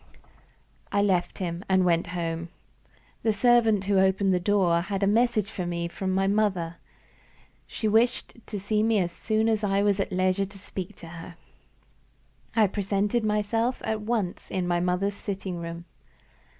I left him, and went home. The servant who opened the door had a message for me from my mother. She wished to see me as soon as I was at leisure to speak to her. I presented myself at once in my mother's sitting room.